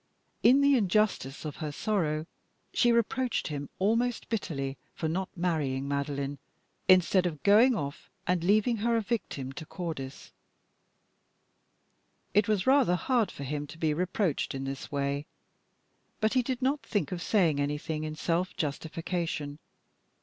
In the injustice of her sorrow, she reproached him almost bitterly for not marrying Madeline, instead of going off and leaving her a victim to Cordis. It was rather hard for him to be reproached in this way, but he did not think of saying anything in self justification.